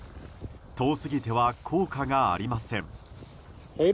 遠すぎては効果がありません。